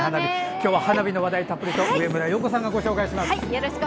今日は花火の話題をたっぷりと上村陽子さんがお伝えします。